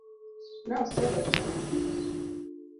Ne osedok chon